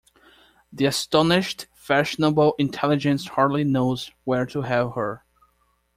The astonished fashionable intelligence hardly knows where to have her.